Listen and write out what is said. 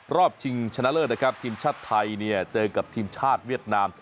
ชิงชนะเลิศนะครับทีมชาติไทยเนี่ยเจอกับทีมชาติเวียดนาม